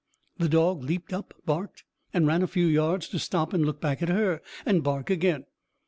The dog leaped up, barked, and ran a few yards, to stop, look back at her, and bark again.